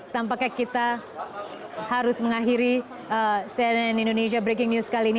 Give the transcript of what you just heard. tampaknya kita harus mengakhiri cnn indonesia breaking news kali ini